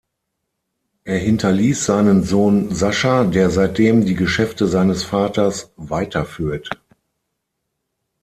Er hinterließ seinen Sohn Sascha, der seitdem die Geschäfte seines Vaters weiterführt.